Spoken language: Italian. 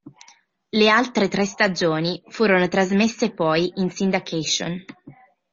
Le altre tre stagioni furono trasmesse poi in syndication.